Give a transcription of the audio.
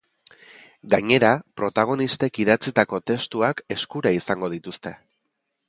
Gainera, protagonistek idatzitako testuak eskura izango dituzte.